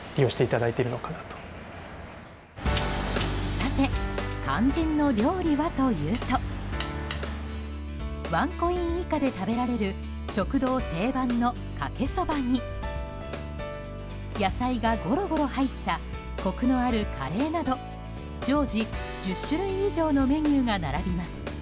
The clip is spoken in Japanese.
さて、肝心の料理はというとワンコイン以下で食べられる食堂定番のかけそばに野菜がゴロゴロ入ったコクのあるカレーなど常時１０種類以上のメニューが並びます。